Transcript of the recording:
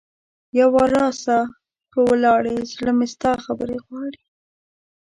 یو وار راسه په ولیاړې ـ زړه مې ستا خبرې غواړي